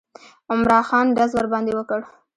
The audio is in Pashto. عمرا خان ډز ورباندې وکړ.